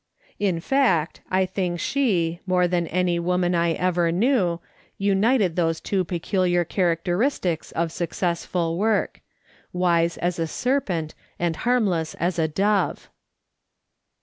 In fact, I think she, more than any woman I ever knew, united those two peculiar characteristics of successful work :" Wise as a serpent, and harmless as a dove."